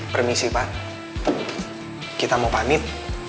permisi pak kita mau pamit